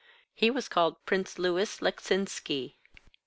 He was called Prince Louis Leczinski.